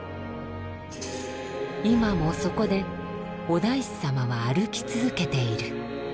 今もそこでお大師様は歩き続けている。